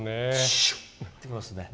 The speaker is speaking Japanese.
シュッと行きますよね。